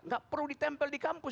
gak perlu ditempel di kampus